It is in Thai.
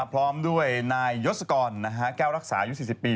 พร้อมด้วยนายยศกรแก้วรักษายุค๔๐ปี